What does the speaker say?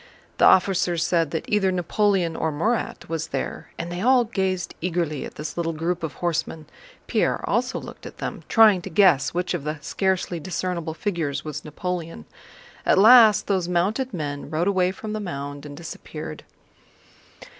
The officers said that either Napoleon or Murat was there, and they all gazed eagerly at this little group of horsemen. Pierre also looked at them, trying to guess which of the scarcely discernible figures was Napoleon. At last those mounted men rode away from the mound and disappeared.